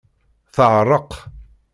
Teɛreq.